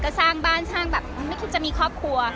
ก็สร้างบ้านสร้างแบบไม่คิดจะมีครอบครัว